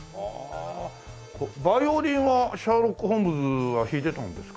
バイオリンはシャーロック・ホームズは弾いてたんですか？